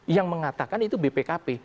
yang mengatakan itu bpkp